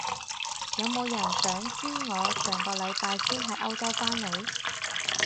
有冇人想知我上個禮拜先喺歐洲返嚟？